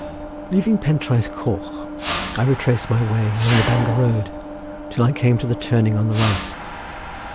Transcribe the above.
Leaving Pentraeth Coch I retraced my way along the Bangor road till I came to the turning on the right.